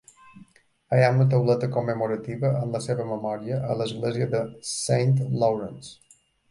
Hi ha una tauleta commemorativa en la seva memòria a l'església de Saint Lawrence.